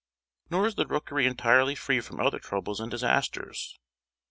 Nor is the rookery entirely free from other troubles and disasters.